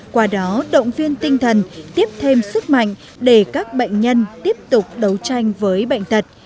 qua đó động viên tinh thần tiếp thêm sức mạnh để các bệnh nhân tiếp tục đấu tranh với bệnh tật